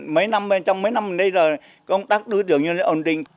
mấy năm trong mấy năm đến giờ công tác đối tượng nhân dân ổn định